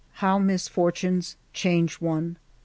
How misfor tunes change one